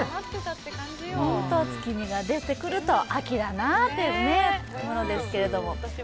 月見が出てくると秋だなというものですけど。